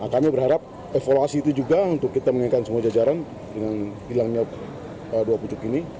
kami berharap evaluasi itu juga untuk kita mengingatkan semua jajaran dengan hilangnya dua pucuk ini